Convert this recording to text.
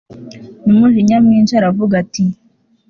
numujinya mwinshi aravuga ati